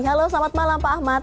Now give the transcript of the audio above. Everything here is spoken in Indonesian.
halo selamat malam pak ahmad